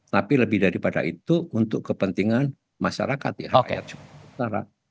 tapi lebih daripada itu untuk kepentingan masyarakat ya rakyat sumatera utara